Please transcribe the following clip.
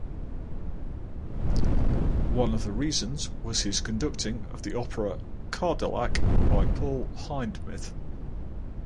One of the reasons was his conducting of the opera "Cardillac" by Paul Hindemith.